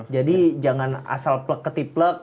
jadi jangan asal plek ketip plek